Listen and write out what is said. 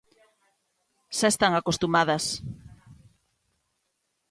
Xa están acostumadas.